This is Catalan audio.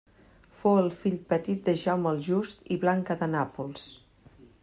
Fou el fill petit de Jaume el Just i Blanca de Nàpols.